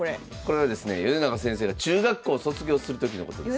米長先生が中学校卒業する時のことです。